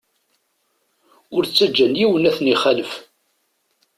Ur ttaǧǧan yiwen ad ten-ixalef.